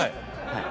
はい。